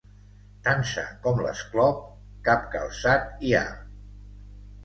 Tan sa com l'esclop, cap calçat hi ha.